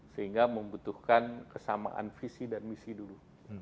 sehingga membutuhkan kesamaan visi dan misi dulu